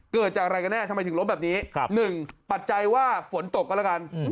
เกิดจากอะไรกันแน่ทำไมถึงล้มแบบนี้๑ปัจจัยว่าฝนตกก็แล้วกัน